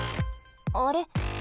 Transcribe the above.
あれ？